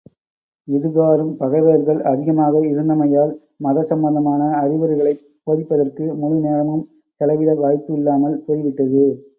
இதுகாறும் பகைவர்கள் அதிகமாக இருந்தமையால், மத சம்பந்தமான அறிவுரைகளைப் போதிப்பதற்கு முழு நேரமும் செலவிட வாய்ப்பு இல்லாமல் போய்விட்டது.